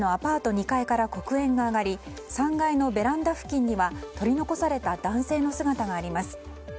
２階から黒煙が上がり３階のベランダ付近には取り残された男性の姿があります。